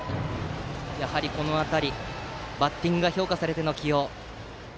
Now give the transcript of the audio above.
やはりこの辺りバッティングが評価されての起用。